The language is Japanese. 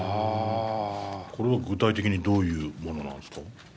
これは具体的にどういうものなんですか？